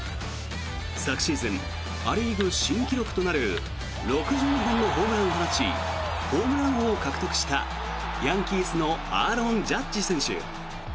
昨シーズンア・リーグ新記録となる６２本のホームランを放ちホームラン王を獲得したヤンキースのアーロン・ジャッジ選手。